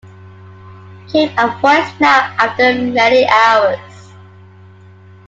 Came a voice now after many hours.